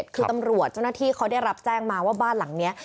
คือตำรวจเจ้าหน้าที่เขาได้รับแจ้งมาว่าบ้านหลังนี้